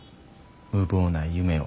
無謀な夢を。